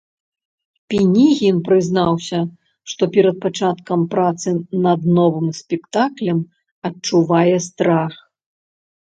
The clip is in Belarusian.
Пінігін прызнаўся, што перад пачаткам працы над новым спектаклем адчувае страх.